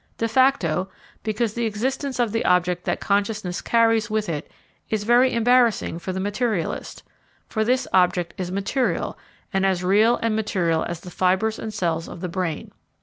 De facto, because the existence of the object that consciousness carries with it is very embarrassing for the materialist; for this object is material, and as real and material as the fibres and cells of the brain.